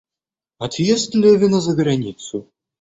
Отъезд Левина за границу.